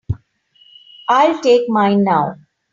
I'll take mine now.